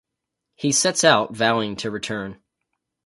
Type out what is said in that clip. He sets out, vowing to return.